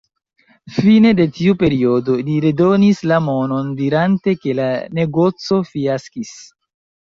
Fine de tiu periodo, li redonis la monon, dirante ke la negoco fiaskis.